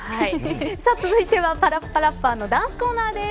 さあ続いてはパラッパラッパーのダンスコーナーです。